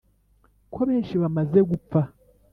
ko benshi bamaze gupfa